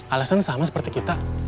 alasan sama seperti kita